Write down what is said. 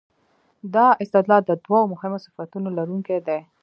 دا استدلال د دوو مهمو صفتونو لرونکی دی.